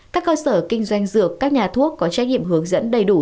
các cơ sở kinh doanh dược các nhà thuốc có trách nhiệm hướng dẫn đầy đủ